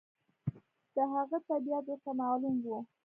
د هغه طبیعت ورته معلوم و.